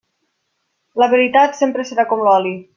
La veritat sempre serà com l'oli.